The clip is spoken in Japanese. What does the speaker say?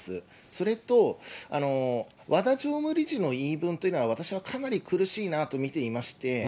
それと、和田常務理事の言い分というのは、私はかなり苦しいなと見ていまして。